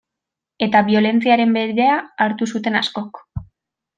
Eta biolentziaren bidea hartu zuten askok.